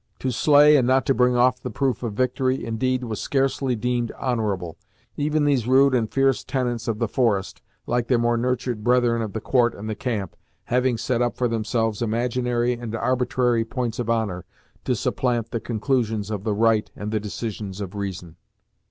To slay, and not to bring off the proof of victory, indeed, was scarcely deemed honorable, even these rude and fierce tenants of the forest, like their more nurtured brethren of the court and the camp, having set up for themselves imaginary and arbitrary points of honor, to supplant the conclusions of the right and the decisions of reason.